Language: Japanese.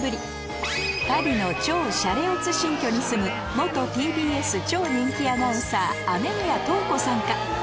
今夜はこの中の誰かがパリの超シャレオツ新居に住む元ＴＢＳ超人気アナウンサー雨宮塔子さんか？